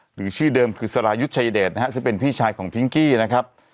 ชื่อเดิมคือสรายุทธ์ชายเดชนะฮะซึ่งเป็นพี่ชายของพิงกี้นะครับ